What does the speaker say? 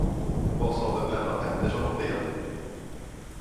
Vad sade Blenda Pettersson om det?